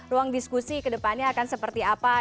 ruang diskusi ke depannya akan seperti apa